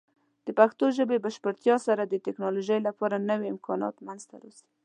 د پښتو ژبې بشپړتیا سره، د ټیکنالوجۍ لپاره نوې امکانات منځته راځي.